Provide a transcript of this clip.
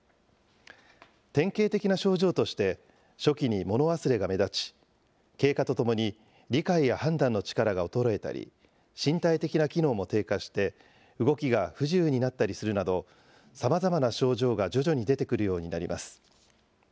典型的な症状として、初期に物忘れが目立ち、経過とともに理解や判断の力が衰えたり、身体的な機能も低下して、動きが不自由になったりするなど、さまざまな症状が徐々に出てくるようになります。